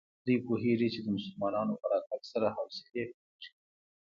دوی پوهېږي چې د مسلمانانو په راتګ سره حوصلې لوړېږي.